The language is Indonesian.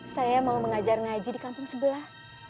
saya mau mengajar ngaji di kampung sebelah